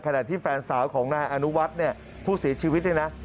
ขณะที่แฟนสาวของนายอนุวัตน์ผู้ศีรชีวิตนี่นะ